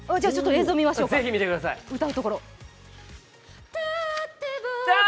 映像見ましょうか、歌うところ。